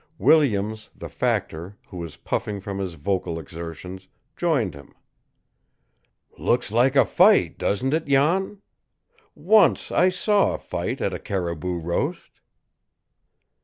Williams, the factor, who was puffing from his vocal exertions, joined him. "Looks like a fight, doesn't it, Jan? Once I saw a fight at a caribou roast."